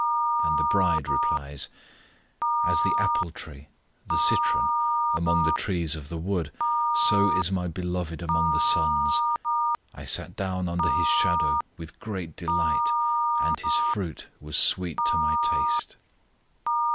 Again the bride replies: As the apple tree (the citron) among the trees of the wood, So is my Beloved among the sons. I sat down under His shadow with great delight, And His fruit was sweet to my taste.